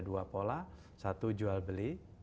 dua pola satu jual beli